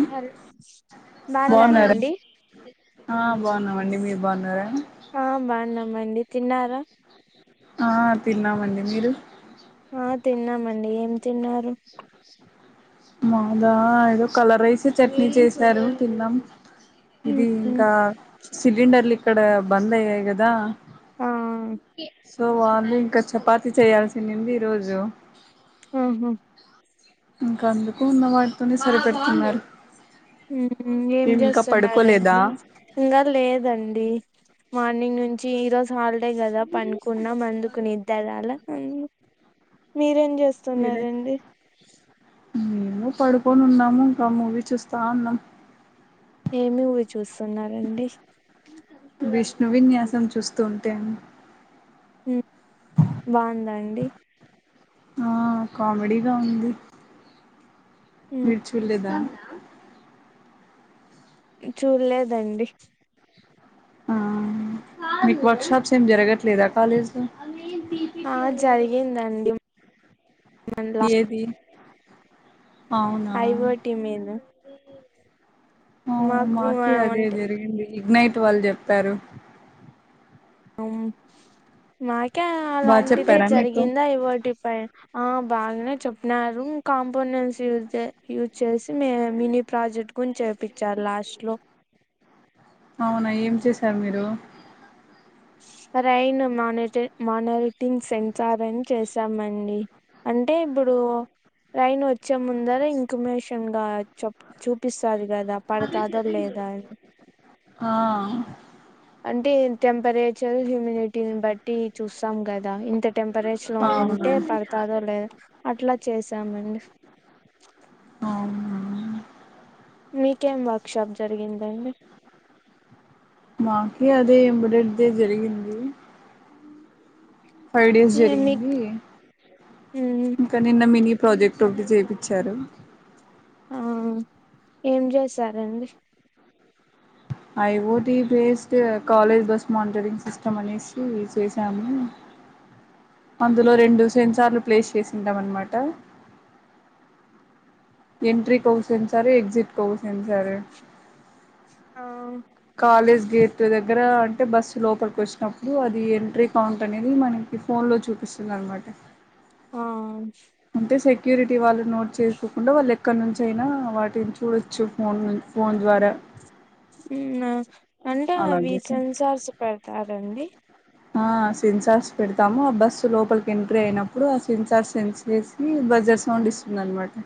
hello బాగున్నారా అండి ఆ బాగున్నామండి మీరు బాగున్నారా మండి తిన్నారా ఆ తిన్నామండి మీరు ఆ తిన్నామండి ఏం తిన్నారు మాదా ఏదో కలరేసి చట్నీ చేసారు తిన్నాం ఇది ఇంకా సిలిండర్లు ఇక్కడ బంద్ అయ్యాయి కదా ఆ సో వాళ ఇంకా చపాతి చేయయాల్సిందింది ఈ రోజు ఆహా ఇంకా అందుకు ఉన్న వాటితోనే సరిపెడుతున్నారు ఏం మేము ఇంకా పడుకోలేదా చేస్తున్నారండి ఇంకా లేదండి మార్నింగ్ నుంచి ఈ రోజు హాలిడే కదా పనుకున్నా అందుకు నిద్ర రాలే నిద్దర అ మీరేం లేద చేస్తున్నారంండి పడుకోనున్నాము ఇంకా మూవీ చూస్తా ఉన్నాం ఏమి ఊరు చూస్తున్నారంండి విష్ణు విన్యాసం చూస్తూ ఉంటేను బాగుందా అండి ఆ కామెడీగా ఉంది మిరుచూలేదా చూడలేదండి ఆ మీకు వర్ షాప్స్ ఏం జరగట్లేదా కాలేజ్ లో ఆ జరిగిందండి మ ఏది అవునా ఐ వో టీ మీద ఆ మాకు మాకే అదే అంటే జరిగింది ఇగ్నైట్ వాళ్ళు చెప్పారు అ మాకే బాగా అలాంటిదే చెప్పారా మీకు జరిగిందా ఇవటిపై ఆ బాగానే చాపినరు కాంపోనెంట్స్ యూజ యూజ్ చేసి మ మినీ ప్రాజెక్ట్ గుని చేపించారు లాస్ట్ లో అవునా ఏం చేశారు మీరు రైన్ మానిట మానిటింగ్ సెన్సార్ అని చేశామండి అంటే ఇప్పుడు లైన్ ఒ వచ్చే ముందర ఇన్కమేషన్ గా చ చూపిస్తాది గదా పడతాదో లేదా అన్ ఆ అంటే ఏ టెం టెంపరేచర్ హ్యూమిడిటీని బట్టి చూస్తాం కదా ఇంత టెంపరేచర్ లో అవును ఉంటే పడతాదో లేదో అట్లా చేసామండి అవునా మీకేం వర్క్షాప్ జరిగిం మాకే అదే ఇంబడేట్దే జరిగింది ఫైవ్ డేస్ మీ జరిగింది ఇంకా నిన్న మిని ప్రాజెక్ట్ ఒకటి చేపిచ్చారు ఆ ఏం చేసారండి IoT based college bus monitoring system అనేసి చేసాము అ అందులో రెండు సెన్సార్లు ప్లేస్ చేసింటాం అన్నమాట ఎంట్రీ కౌసేన్ సర్ ఎగ్జిట్ కౌసేన్ సర్ ఆ కాలేజ్ గేట్ దగ్గర అంటే బస్సు లోపలికి వచ్చినప్పుడు అది ఎంట్రీ కౌంట్ అనేది మనకి ఫోన్ లో చూపిస్తుంది అనమాట ఆ ే సెక్యూరిటీ వాళ్ళు నోట్ చేసుకోకుండా వాళ్ళు ఎక్కడ నుంచి అయినా వాటిన్ చూడొచ్చు ఫోనున్ ఫోన్ ద్వారా మ్ అంటే అవి అలాగే సార్ సెన్సర్స్ పెడతారండి ఆ సెన్సార్స్ పెడుతాము ఆ బస్సు లోపలికి ఎంట్రీ అయినప్పుడు ఆ సెన్సార్స్ సెన్స చేసిస్ బజర్ సౌండ్ ఇస్తుందినమాట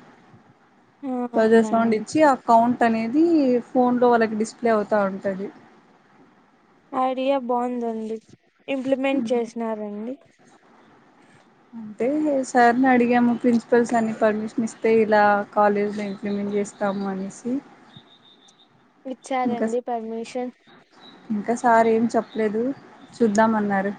బజర్ సౌండ్ అవునండి ఇచ్చి ఆ కౌంట్ అనేది ఫోన్ లో వాళ్ళకి డిస్ప్లే అవుతా ఉంటది ఐడియా బాగుందండి ఇంప్లిమెంట్ చేసినారండి అయితే సార్ని అడిగాము ప్రిన్సిపల్స్ అని పర్మిషన్ ఇస్తే ఇలా కాలేజీలో ఇంప్లిమెంట్ చేస్తామ్ మనేసి ఇచ్చారండి పర్మిషన్ ఇంకా సార్ ఏం చెప్పలేదు చూద్దామన్నారు